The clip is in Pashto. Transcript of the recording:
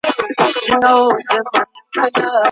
ولې ځايي واردوونکي طبي درمل له چین څخه واردوي؟